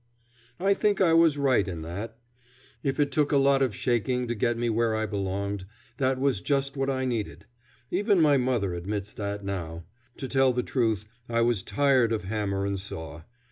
I think I was right in that. If it took a lot of shaking to get me where I belonged, that was just what I needed. Even my mother admits that now. To tell the truth, I was tired of hammer and saw.